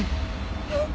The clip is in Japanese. えっ？